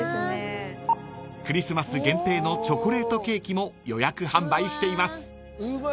［クリスマス限定のチョコレートケーキも予約販売しています］